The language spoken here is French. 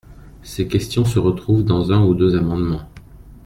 Ces questions se retrouvent dans un ou deux amendements.